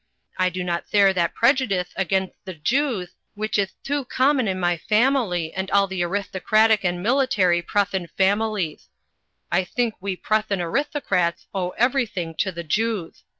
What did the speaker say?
I do not thare that prejudithe against the Jewth, which ith too common in my family and all the arithtocratic and military Prutthian familieth. I think we Pnit thian arithocrats owe everything to the Jewth.